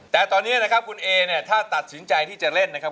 แต่ตอนนี้คุณเอถ้าตัดสินใจที่จะเล่นนะครับ